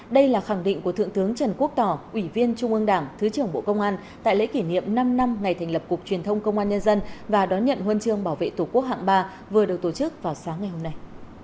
đây là khẳng định của thượng tướng trần quốc tỏ ủy viên trung ương đảng thứ trưởng bộ công an tại lễ kỷ niệm năm năm ngày thành lập cục truyền thông công an nhân dân và đón nhận huân chương bảo vệ tổ quốc hạng ba vừa được tổ chức vào sáng ngày hôm nay